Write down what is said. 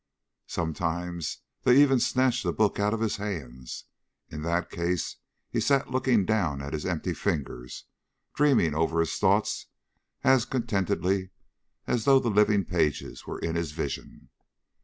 Sometimes they even snatched the book out of his hands. In that case he sat looking down at his empty fingers, dreaming over his own thoughts as contentedly as though the living page were in his vision.